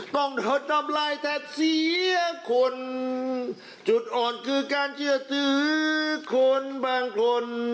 ต้องทำไรแทบเสียคนจุดอ่อนคือการเชื่อตือคนบางคน